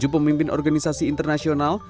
tujuh pemimpin organisasi internasional